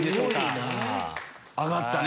上がったね